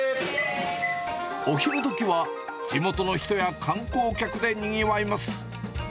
お昼どきは、地元の人や観光客でにぎわいます。